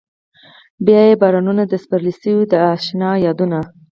بيا بارانونه د سپرلي شو د اشنا يادونه